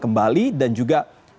kembali dan juga